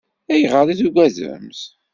Ayɣer i tugademt?